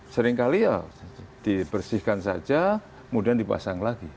seringkali ya dibersihkan saja kemudian dipasang lagi